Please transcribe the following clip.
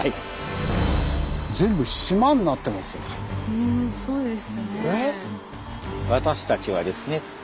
うんそうですね。